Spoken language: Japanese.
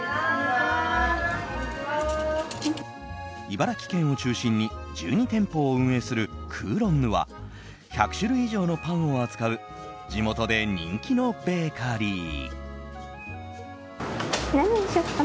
茨城県を中心に１２店舗を運営するクーロンヌは１００種類以上のパンを扱う地元で人気のベーカリー。